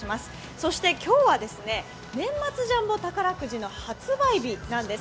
そして今日は、年末ジャンボ宝くじの発売日なんです。